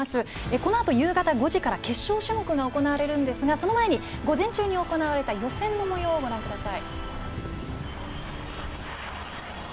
このあと夕方５時から決勝種目が行われるんですがその前に、午前中に行われた予選のもようをご覧ください。